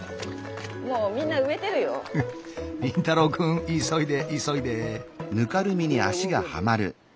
凛太郎くん急いで急いで！